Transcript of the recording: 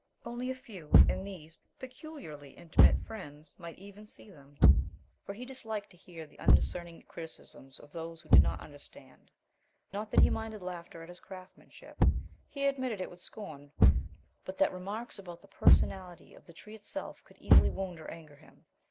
Only a few, and these peculiarly intimate friends, might even see them, for he disliked to hear the undiscerning criticisms of those who did not understand. Not that he minded laughter at his craftsmanship he admitted it with scorn but that remarks about the personality of the tree itself could easily wound or anger him.